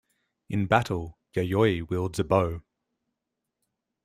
In battle, Yayoi wields a bow.